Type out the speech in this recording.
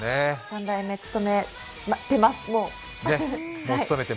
３代目、務めてます、もう。